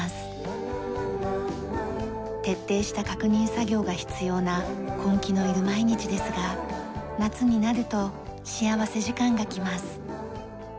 徹底した確認作業が必要な根気のいる毎日ですが夏になると幸福時間が来ます。